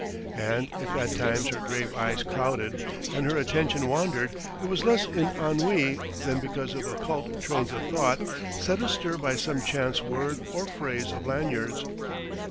And if at times her grave eyes clouded and her attention wandered, it was less in ennui than because of occult trains of thought set astir by some chance word or phrase of Lanyard's.